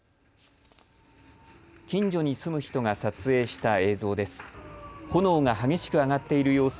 近所に住む人が撮影した映像です。